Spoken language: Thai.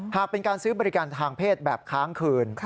หากเป็นการซื้อบริการทางเพศแบบค้างคืน